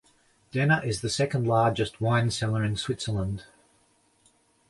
Denner is the second largest wine-seller in Switzerland.